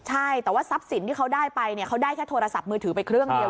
ใช่แต่ว่าทรัพย์สินที่เขาได้ไปเนี่ยเขาได้แค่โทรศัพท์มือถือไปเครื่องเดียว